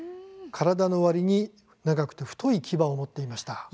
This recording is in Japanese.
体のわりに長くて太い牙を持っていました。